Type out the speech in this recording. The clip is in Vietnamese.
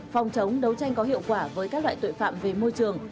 phòng chống đấu tranh có hiệu quả với các loại tội phạm về môi trường